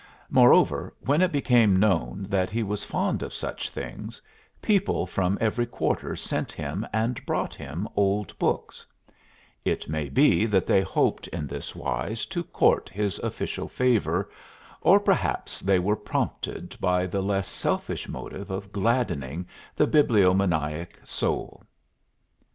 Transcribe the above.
Moreover, when it became known that he was fond of such things, people from every quarter sent him and brought him old books; it may be that they hoped in this wise to court his official favor, or perhaps they were prompted by the less selfish motive of gladdening the bibliomaniac soul.